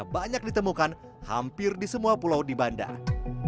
banyak ditemukan hampir di semua pulau di bandar